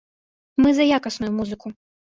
Мы за якасную музыку.